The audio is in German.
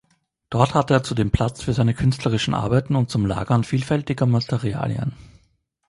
Dort hatte er zudem Platz für seine künstlerischen Arbeiten und zum Lagern vielfältiger Materialien.